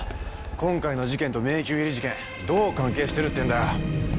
今回の事件と迷宮入り事件どう関係してるっていうんだよ？